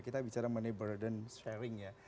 kita bicara money burden sharing ya